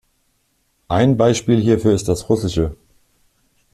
Ein Beispiel hierfür ist das Russische.